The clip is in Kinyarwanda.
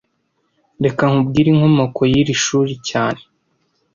Reka nkubwire inkomoko y'iri shuri cyane